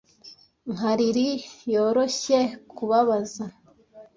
nka lili yoroshye kubabaza